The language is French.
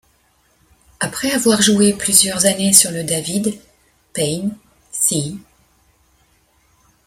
Après avoir joué plusieurs années sur le David, Payne, c.